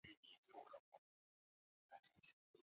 任广西临桂县知县。